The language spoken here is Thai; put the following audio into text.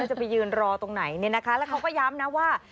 จะไปยืนรอตรงไหนแล้วเขาก็ย้ำนะว่า